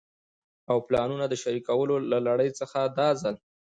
او پلانونو د شريکولو له لړۍ څخه دا ځل